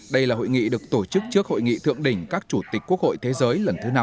đây là hội nghị được tổ chức trước hội nghị thượng đỉnh các chủ tịch quốc hội thế giới lần thứ năm